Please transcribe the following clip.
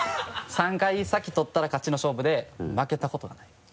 ３回先取ったら勝ちの勝負で負けたことがない。